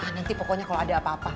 nanti pokoknya kalau ada apa apa